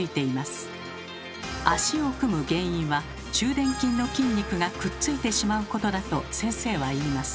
足を組む原因は中臀筋の筋肉がくっついてしまうことだと先生は言います。